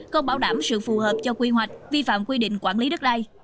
không bảo đảm sự phù hợp cho quy hoạch vi phạm quy định quản lý đất đai